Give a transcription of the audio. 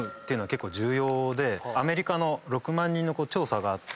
アメリカの６万人の調査があって。